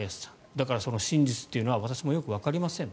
だから、その真実って私もよくわかりません。